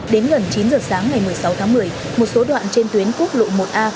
đến gần chín giờ sáng ngày một mươi sáu tháng một mươi một số đoạn trên tuyến quốc lộ một a